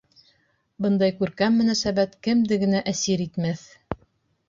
Бындай күркәм мөнәсәбәт кемде генә әсир итмәҫ?!